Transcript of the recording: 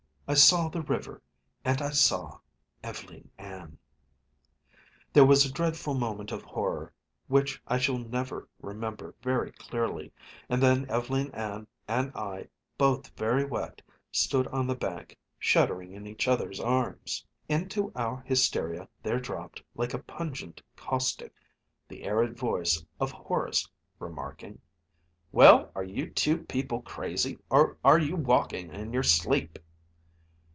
I saw the river, and I saw Ev'leen Ann. There was a dreadful moment of horror, which I shall never remember very clearly, and then Ev'leen Ann and I both very wet stood on the bank, shuddering in each other's arms. Into our hysteria there dropped, like a pungent caustic, the arid voice of Horace, remarking, "Well, are you two people crazy, or are you walking in your sleep?"